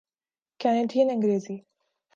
Canadian Angrezi